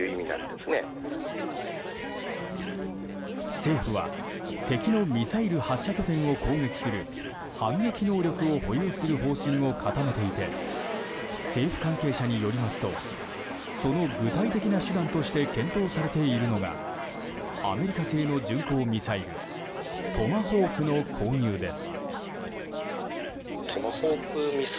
政府は敵のミサイル発射拠点を攻撃する反撃能力を保有する方針を固めていて政府関係者によりますとその具体的な手段として検討されているのがアメリカ製の巡航ミサイルトマホークの購入です。